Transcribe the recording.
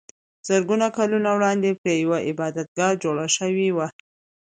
زرګونه کلونه وړاندې پرې یوه عبادتګاه جوړه شوې وه.